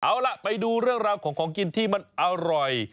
เอาล่ะไปดูเรื่องราวของของกินที่มันอร่อย